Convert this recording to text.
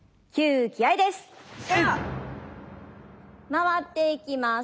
回っていきます。